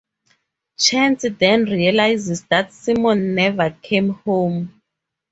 Chance then realizes that Simon never came home.